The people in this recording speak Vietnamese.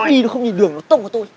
đi nó không nhìn đường nó tông vào tôi